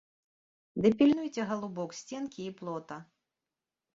Ды пільнуйце, галубок, сценкі і плота.